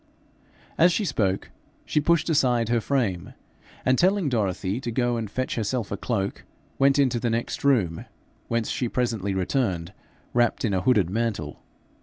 As she spoke, she pushed aside her frame, and telling Dorothy to go and fetch herself a cloak, went into the next room, whence she presently returned, wrapped in a hooded mantle.